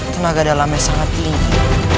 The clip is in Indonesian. tenaga dalamnya sangat tinggi